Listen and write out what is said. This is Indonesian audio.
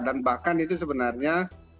dan bahkan itu sebenarnya